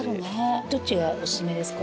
どっちがおすすめですか？